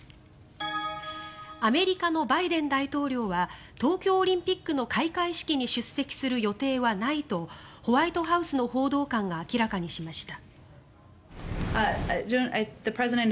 アメリカのバイデン大統領は東京オリンピックの開会式に出席する予定はないとホワイトハウスの報道官が明らかにしました。